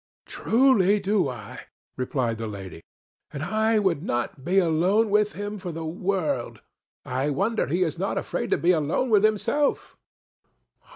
"Truly do I," replied the lady; "and I would not be alone with him for the world. I wonder he is not afraid to be alone with himself."